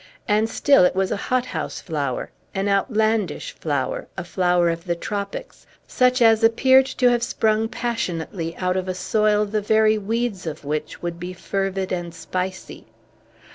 And still it was a hot house flower, an outlandish flower, a flower of the tropics, such as appeared to have sprung passionately out of a soil the very weeds of which would be fervid and spicy.